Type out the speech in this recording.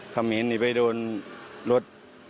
เขมีนไปโดนรถ